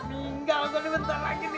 tinggal gue bentar lagi nih